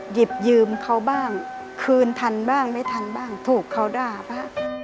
หยิบยืมเขาบ้างคืนทันบ้างไม่ทันบ้างถูกเขาด่าบ้าง